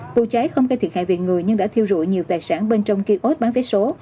vụ cháy không gây thiệt hại viện người nhưng đã thiêu rụi nhiều tài sản bên trong kia ốt bán vé số